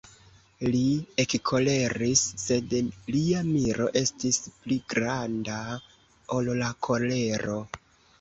Li ekkoleris, sed lia miro estis pli granda, ol la kolero.